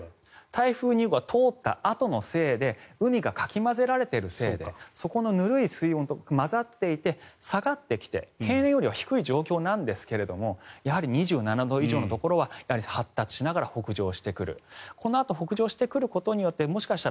台風２号が通ったあとのせいで海がかき混ぜられているせいでそこのぬるい水温と混ざって下がってきて平年より低い状況なんですがやはり２７度以上のところは発達しながら北上してくる。